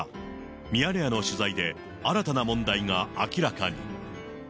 ミヤネ屋の取材で新たな問題が明らかに。